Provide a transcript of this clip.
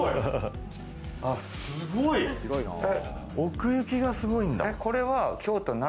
奥行きが、すごいんだ。